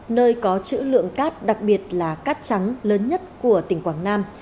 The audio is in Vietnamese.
nơi có chữ lượng cát đặc biệt là cát trắng lớn nhất của tỉnh quảng nam